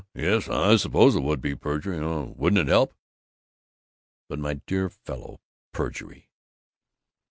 "Huh? Yes, I suppose it would be perjury. Oh Would it help?" "But, my dear fellow! Perjury!"